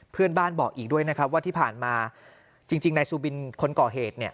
เพื่อนบ้านบอกอีกด้วยนะครับว่าที่ผ่านมาจริงนายซูบินคนก่อเหตุเนี่ย